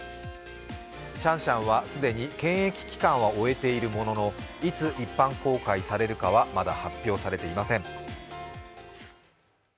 シャンシャンは既に検疫期間は終えているもののいつ一般公開されるかはまだ発表されていません。